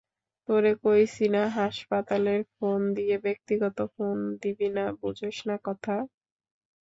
তোরে কইছি না হাসপাতালের ফোন দিয়ে ব্যক্তিগত ফোন দিবি না, বুঝস না কথা?